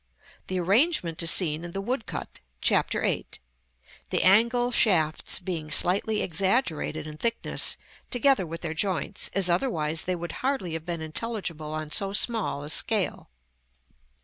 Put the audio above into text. The arrangement is seen in the woodcut, Chap. VIII.; the angle shafts being slightly exaggerated in thickness, together with their joints, as otherwise they would hardly have been intelligible on so small a scale.